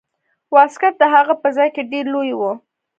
واسکټ د هغه په ځان کې ډیر لوی و.